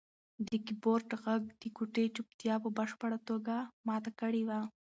د کیبورډ غږ د کوټې چوپتیا په بشپړه توګه ماته کړې وه.